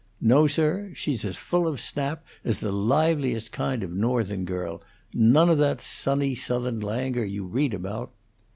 No, sir, she's as full of snap as the liveliest kind of a Northern girl. None of that sunny Southern languor you read about."